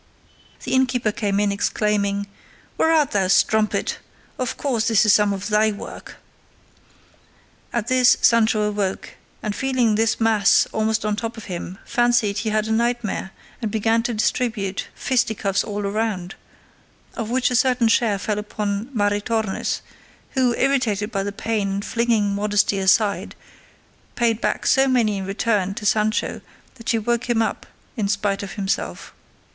The innkeeper came in exclaiming, "Where art thou, strumpet? Of course this is some of thy work." At this Sancho awoke, and feeling this mass almost on top of him fancied he had the nightmare and began to distribute fisticuffs all round, of which a certain share fell upon Maritornes, who, irritated by the pain and flinging modesty aside, paid back so many in return to Sancho that she woke him up in spite of himself.